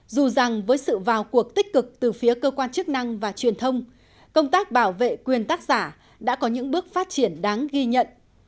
dù rằng với sự vào cuộc tích cực từ phía cơ quan chức năng và truyền thông công tác bảo vệ quyền tác giả đã có những bước phát triển đáng ghi nhận